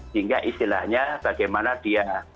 sehingga istilahnya bagaimana dia